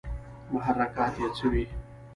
محرکات ئې څۀ وي